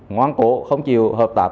ngoan cố không chịu hợp tác